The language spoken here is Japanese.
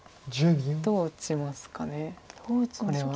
どう打ちますかこれは。